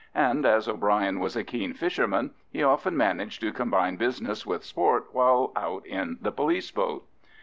And as O'Bryan was a keen fisherman, he often managed to combine business with sport while out in the police boat.